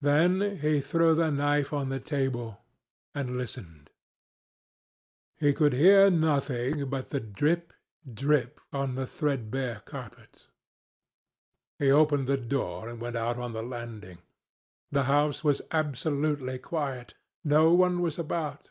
Then he threw the knife on the table, and listened. He could hear nothing, but the drip, drip on the threadbare carpet. He opened the door and went out on the landing. The house was absolutely quiet. No one was about.